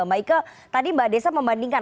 mbak ike tadi mbak desa membandingkan